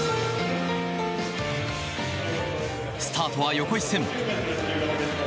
スタートは横一線。